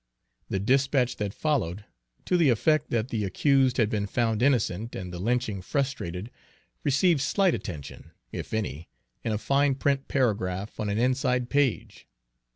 The dispatch that followed, to the effect that the accused had been found innocent and the lynching frustrated, received slight attention, if any, in a fine print paragraph on an inside page.